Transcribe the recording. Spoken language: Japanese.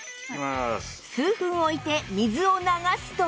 数分置いて水を流すと